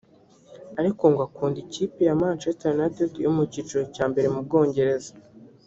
ariko ngo akunda ikipe ya Manchester United yo mu cyiciro cya mbere mu Bwongereza